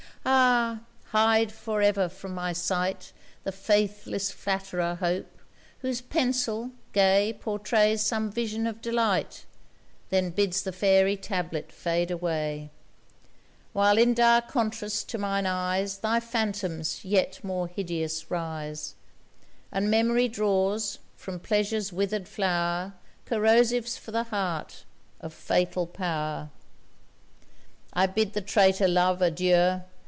Ah! hide for ever from my sight The faithless flatterer Hope whose pencil, gay, Portrays some vision of delight, Then bids the fairy tablet fade away; While in dire contrast, to mine eyes Thy phantoms, yet more hideous, rise, And Memory draws, from Pleasure's wither'd flower, Corrosives for the heart of fatal power! I bid the traitor Love, adieu!